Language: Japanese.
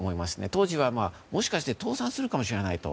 当時はもしかして倒産するかもしれないと。